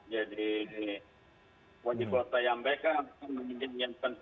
jadi wali kota yang baik akan menginjinkan